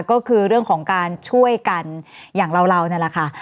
ก็คือเรื่องของการช่วยกันอย่างเรานั่นแหละค่ะ